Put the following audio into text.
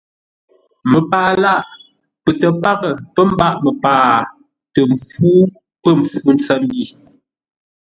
Məpaa lâʼ. Pətə́ paghʼə pə́ mbâʼ məpaa tə fú pə̂ mpfu ntsəmbi.